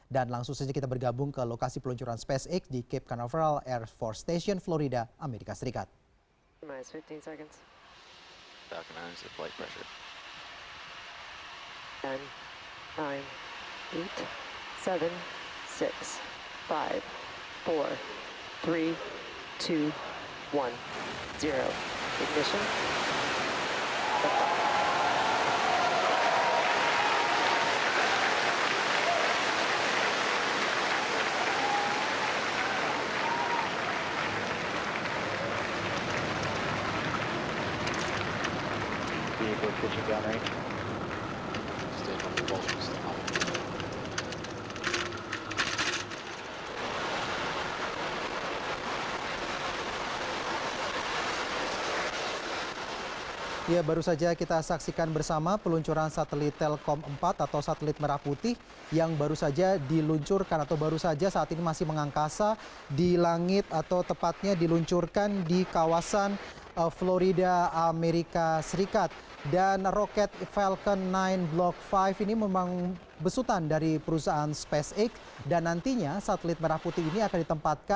dan langsung saja kita bergabung ke lokasi peluncuran spacex di cape canaveral air force station florida amerika serikat